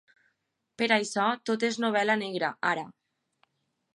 Per això tot és novel·la negra, ara.